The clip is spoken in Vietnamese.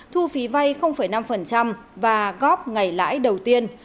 thu phí vay năm và góp ngày lãi đầu tiên